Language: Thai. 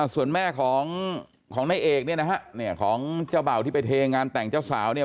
ส่วนแม่ของนายเอกเนี่ยนะฮะเนี่ยของเจ้าเบ่าที่ไปเทงานแต่งเจ้าสาวเนี่ย